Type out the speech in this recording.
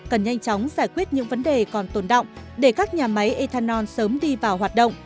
cần nhanh chóng giải quyết những vấn đề còn tồn động để các nhà máy ethanol sớm đi vào hoạt động